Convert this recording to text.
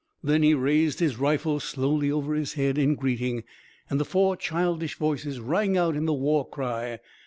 Then he raised his rifle slowly over his head in greeting and the four childish voices rang out in the war cry.